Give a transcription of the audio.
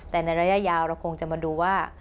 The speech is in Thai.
แต่ในระยะยาวเราคงจะมาดูว่า